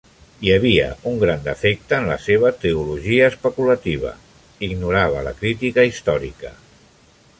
Hi havia un gran defecte en la seva teologia especulativa: ignorava la crítica històrica.